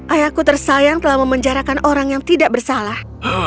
ayahku tersayang telah memenjarakan orang yang tidak bersalah